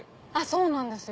そうなんですよ。